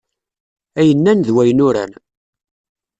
Ay nnan d wayen uran.